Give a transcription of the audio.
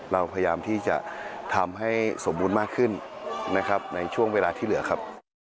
เราพยายามที่จะทำให้สมบูรณ์มากขึ้นนะครับในช่วงเวลาที่เหลือครับ